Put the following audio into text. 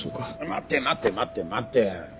待て待て待て待て。